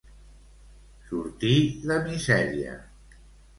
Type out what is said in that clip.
Sortir de misèria.